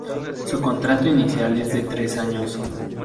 Su contrato inicial es de tres años.